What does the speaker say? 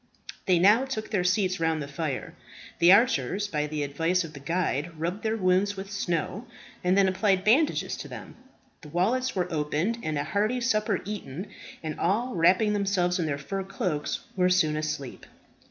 They now took their seats round the fire. The archers, by the advice of the guide, rubbed their wounds with snow, and then applied bandages to them. The wallets were opened, and a hearty supper eaten; and all, wrapping themselves in their fur cloaks, were soon asleep.